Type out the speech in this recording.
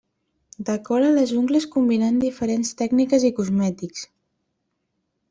Decora les ungles combinant diferents tècniques i cosmètics.